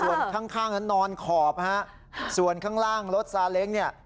ส่วนข้างข้างนั้นนอนขอบฮะส่วนข้างล่างรถซาเล้งเนี่ย